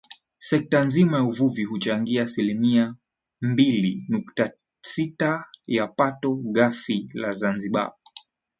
Sekta nzima ya uvuvi huchangia asilimia mbili nukta sita ya pato ghafi la Zanzibar